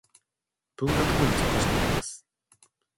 文学部に属しています。